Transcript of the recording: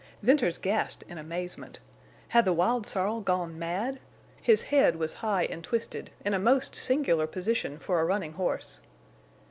Venters gasped in amazement. Had the wild sorrel gone mad? His head was high and twisted, in a most singular position for a running horse.